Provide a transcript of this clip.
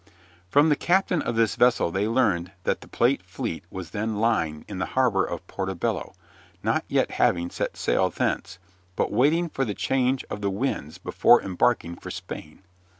From the captain of this vessel they learned that the plate fleet was then lying in the harbor of Porto Bello, not yet having set sail thence, but waiting for the change of the winds before embarking for Spain.